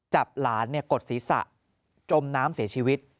จับหลานกดศีรษะจมน้ำเสียชีวิต